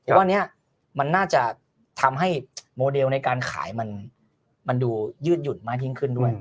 เพราะว่านี้มันน่าจะทำให้โมเดลในการขายมันดูยืดหยุ่นมากยิ่งขึ้นด้วย